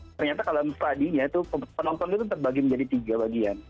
ternyata kalau tadi penonton itu terbagi menjadi tiga bagian